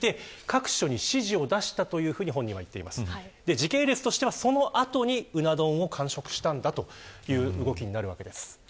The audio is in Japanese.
時系列としてはその後にうな丼を完食したんだという動きになるわけです。